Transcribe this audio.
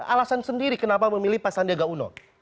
alasan sendiri kenapa memilih pak sandiaga uno